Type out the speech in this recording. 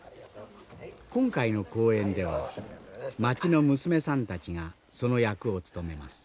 今回の公演では町の娘さんたちがその役を務めます。